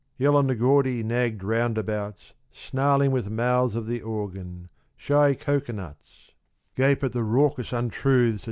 Yell on the gaudy nagged roundabouts snarling with mouths Of the organ, shy cocoanuts, gape at the raucous untruths 73 Carry On.